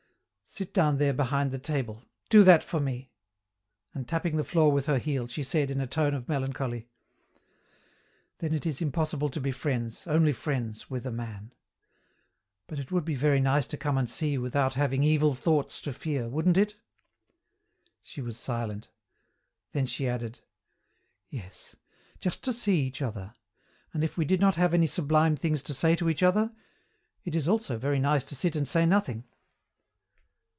"Sit down there behind the table. Do that for me." And tapping the floor with her heel, she said, in a tone of melancholy, "Then it is impossible to be friends, only friends, with a man. But it would be very nice to come and see you without having evil thoughts to fear, wouldn't it?" She was silent. Then she added, "Yes, just to see each other and if we did not have any sublime things to say to each other, it is also very nice to sit and say nothing!"